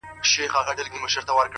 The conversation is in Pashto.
o واوری واوری شب پرستو سهرونه خبرومه,